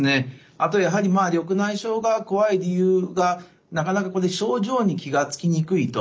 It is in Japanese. あとやはり緑内障が怖い理由がなかなか症状に気が付きにくいということがあります。